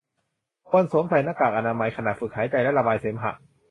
ควรสวมใส่หน้ากากอนามัยขณะฝึกหายใจและระบายเสมหะ